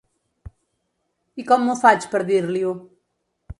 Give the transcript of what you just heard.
I com m'ho faig per dir-li-ho?